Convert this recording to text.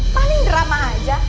paling drama aja